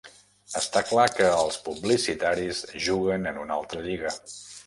Està clar que els publicitaris juguen en una altra lliga.